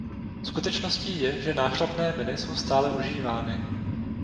Skutečností je, že nášlapné miny jsou stále užívány.